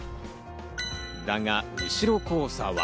だが、後ろ交差は。